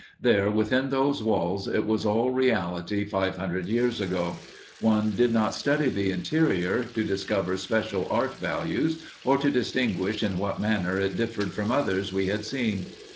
There within those walls it was all reality five hundred years ago. One did not study the interior to discover special art values or to distinguish in what manner it differed from others we had seen.